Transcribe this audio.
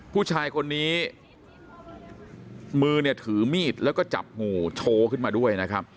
ผู้ชายคนนี้มือเนี่ยถือมีดแล้วก็จับงูโชว์ขึ้นมาด้วยนะครับ